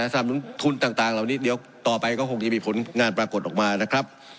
สำหรับทุนต่างเดี๋ยวต่อไปก็คงจะมีผลงานปรากฏออกมานะครับ